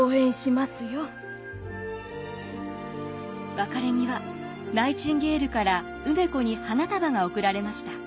別れ際ナイチンゲールから梅子に花束が贈られました。